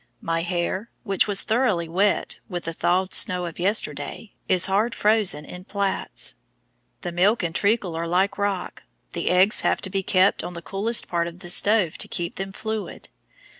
My hair, which was thoroughly wet with the thawed snow of yesterday, is hard frozen in plaits. The milk and treacle are like rock, the eggs have to be kept on the coolest part of the stove to keep them fluid.